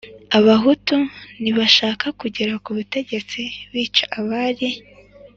Abahutu ntibashaka kugera ku butegetsi bica abari